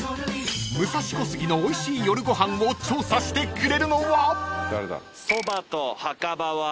［武蔵小杉のおいしい夜ご飯を調査してくれるのは］